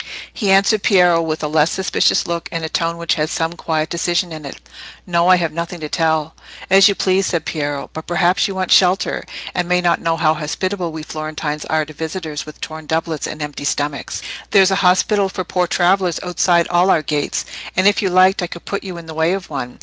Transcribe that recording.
He answered Piero with a less suspicious look and a tone which had some quiet decision in it. "No, I have nothing to tell." "As you please," said Piero, "but perhaps you want shelter, and may not know how hospitable we Florentines are to visitors with torn doublets and empty stomachs. There's an hospital for poor travellers outside all our gates, and, if you liked, I could put you in the way to one.